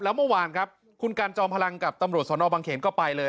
แล้วเมื่อวานครับคุณกันจอมพลังกับตำรวจสนบังเขนก็ไปเลย